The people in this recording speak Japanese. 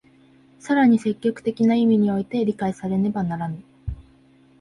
更に積極的な意味において理解されねばならぬ。